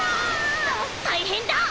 たいへんだ！